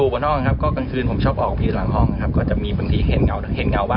ดูข้างนอกนะครับก็กลางคืนผมชอบออกไปอยู่หลังห้องนะครับก็จะมีบางทีเห็นเงา๑๙๑๗